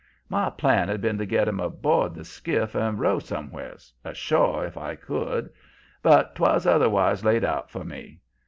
"My plan had been to get him aboard the skiff and row somewheres ashore, if I could. But 'twas otherwise laid out for me.